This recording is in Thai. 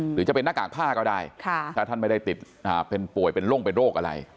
หรือจะเป็นหน้ากากผ้าก็ได้ถ้าท่านไม่ได้ติดเป็นป่วยเป็นโรคเป็นโรคอะไร